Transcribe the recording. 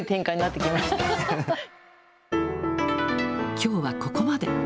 きょうはここまで。